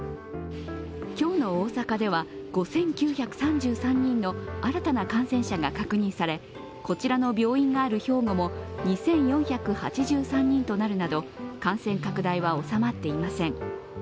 今日の大阪では５９３３人の新たな感染者が確認されこちらの病院がある兵庫も２４８３人となるなど感染拡大は収まっていません。